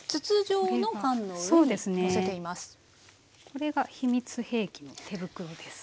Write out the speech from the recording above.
これが秘密兵器の手袋です。